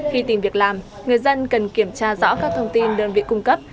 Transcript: khi tìm việc làm người dân cần kiểm tra rõ các thông tin đơn vị cung cấp